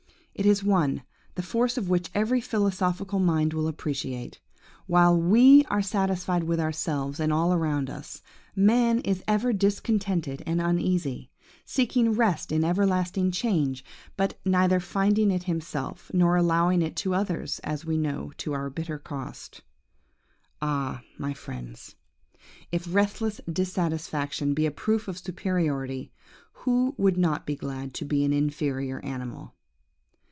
It is one, the force of which every philosophical mind will appreciate. While we are satisfied with ourselves and all around us, man is ever discontented and uneasy, seeking rest in everlasting change, but neither finding it himself, nor allowing it to others, as we know to our bitter cost. "Ah, my friends, if restless dissatisfaction be a proof of superiority, who would not be glad to be an inferior animal?